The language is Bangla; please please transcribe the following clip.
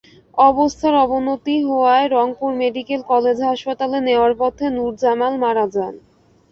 অবস্থার অবনতি হওয়ায় রংপুর মেডিকেল কলেজ হাসপাতালে নেওয়ার পথে নূরজামাল মারা যান।